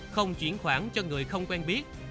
không chuyển khoản cho người không quen biết